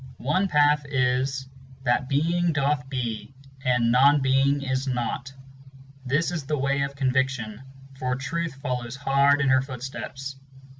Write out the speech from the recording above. One path is: That Being doth be, and Non Being is not: This is the way of Conviction, for Truth follows hard in her footsteps.